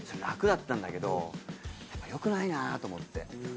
楽だったんだけどやっぱよくないなと思って。